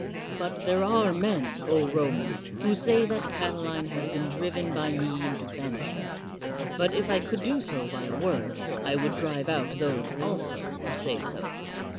But there are men, Romans, who say that Catiline has been driven by me into banishment. But if I could do so by a word, I would drive out those also who say so.